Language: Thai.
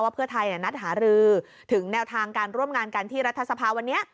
เพื่อไทยนัดหารือถึงแนวทางการร่วมงานกันที่รัฐสภาวันนี้